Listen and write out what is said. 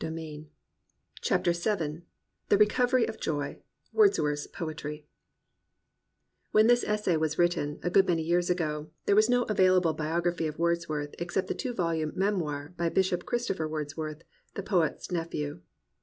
188 THE RECOVERY OF JOY THE RECOVERY OF JOY Wordsworth's poetry When this essay was written, a good many years ago, there was no available biography of Words worth except the two volume Memoir by Bishop Christopher Wordsworth, the poet's nephew.